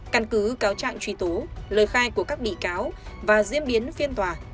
căn cứ cáo trạng truy tố lời khai của các bị cáo và diễn biến phiên tòa